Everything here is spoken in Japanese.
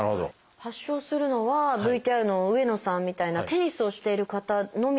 発症するのはＶＴＲの上野さんみたいなテニスをしている方のみなんですか？